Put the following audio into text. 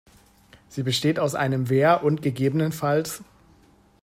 Sie besteht aus einem Wehr und ggf.